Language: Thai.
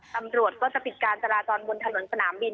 ตำรวจก็จะปิดการจราจรบนถนนสนามบิน